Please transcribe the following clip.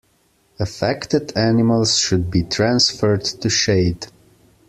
Affected animals should be transferred to shade.